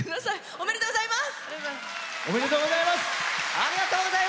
ありがとうございます！